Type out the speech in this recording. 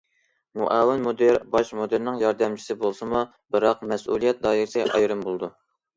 مۇئاۋىن مۇدىر باش مۇدىرنىڭ ياردەمچىسى بولسىمۇ، بىراق مەسئۇلىيەت دائىرىسى ئايرىم بولىدۇ.